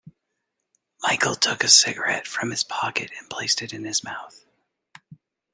Michael took a cigarette from his pocket and placed it in his mouth.